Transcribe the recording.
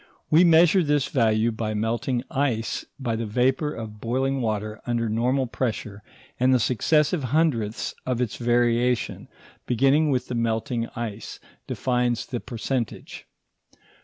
We measure this value by melting ice and by the vapour of boiling water under normal pressure, and the successive hundredths of its variation, beginning with the melting ice, defines the percentage.